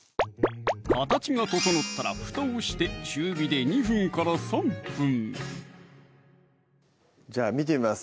形が整ったら蓋をして中火で２分３分じゃあ見てみます